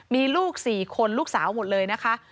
มีลูก๔คนลูกสาวหมดเลยนะคะ